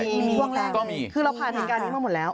เลี้ยงการได้มาหมดแล้ว